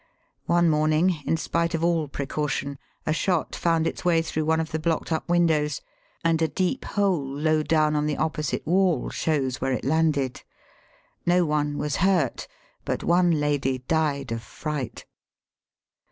One morning, in spite of all precaution, a shot found its way through one of the blocked up windows, and a deep hole low down on the opposite wall shows where it landed. No one was hurt, but one lady died of fright.